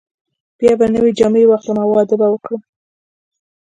بیا به نوې جامې واخلم او واده به وکړم.